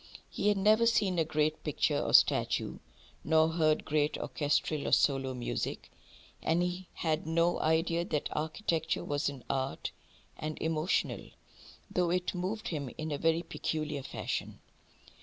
He had never seen a great picture or statue, nor heard great orchestral or solo music; and he had no idea that architecture was an art and emotional, though it moved him in a very peculiar fashion.